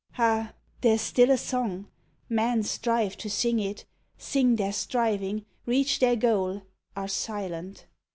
Ah, there's still a song men strive to sing it, Sing their striving, reach their goal, are silent.